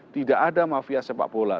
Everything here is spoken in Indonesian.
tidak ada mafia sepak bola